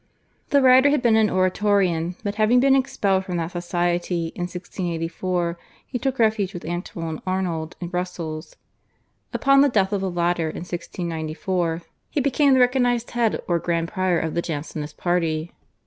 The writer had been an Oratorian, but having been expelled from that society in 1684 he took refuge with Antoine Arnauld in Brussels. Upon the death of the latter in 1694, he became the recognised head or grand prior of the Jansenist party.